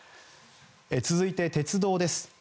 続いて、鉄道です。